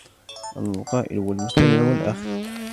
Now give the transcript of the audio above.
الْقَائِلُ وَالْمُسْتَمِعُ وَالْآخِذُ